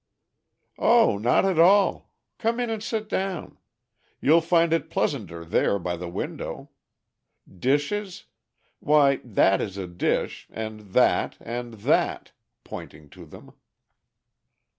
"O not at all! come in and sit down. You'll find it pleasanter there by the window. 'Dishes?' Why, that is a dish, and that and that," pointing to them.